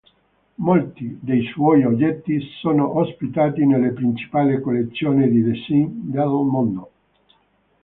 Molti dei suoi oggetti sono ospitati nelle principali collezioni di design del mondo.